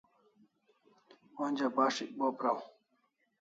Onja bas'ik bo praw